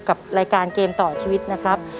กับรายการเกมต่อชีวิตนะครับ